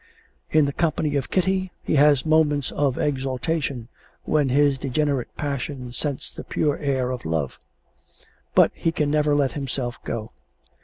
In the company of Kitty he has moments of exaltation, when his degenerate passion scents the pure air of love; but he can never let himself go.